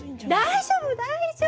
大丈夫大丈夫！